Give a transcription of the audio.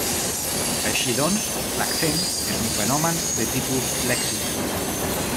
Així doncs, l'accent és un fenomen de tipus lèxic.